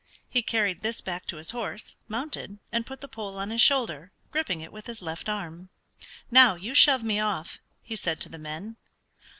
He carried this back to his horse, mounted, and put the pole on his shoulder, gripping it with his left arm. "Now you shove me off," he said to the men.